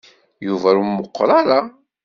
Yuba ur meqqer ara.